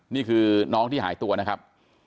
นี่คือน้องที่หายตัวนะครับ